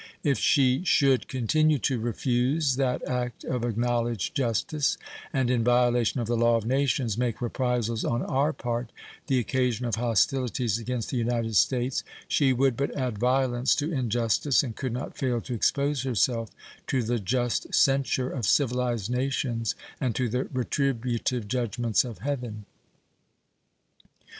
If she should continue to refuse that act of acknowledged justice and, in violation of the law of nations, make reprisals on our part the occasion of hostilities against the United States, she would but add violence to injustice, and could not fail to expose herself to the just censure of civilized nations and to the retributive judgments of Heaven.